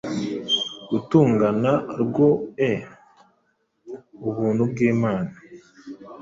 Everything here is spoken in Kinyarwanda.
Gutungana rwoe, Ubuntu bwimana,